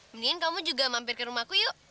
mendingan kamu juga mampir ke rumahku yuk